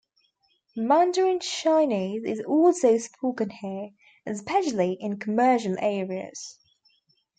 Mandarin Chinese is also spoken here, especially in commercial areas.